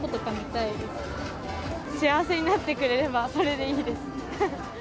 幸せになってくれればそれでいいです。